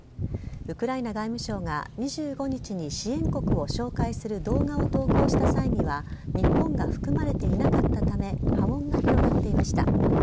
ウクライナ外務省が２５日に支援国を紹介する動画を投稿した際には日本が含まれていなかったため波紋が広がっていました。